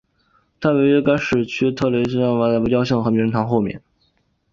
它位于该市西区特蕾西娅草坪巴伐利亚雕像和名人堂后面。